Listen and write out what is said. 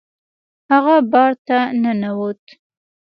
هغه بار ته ننوت.